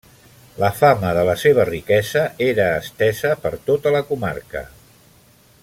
La fama de la seva riquesa era estesa per tota la comarca.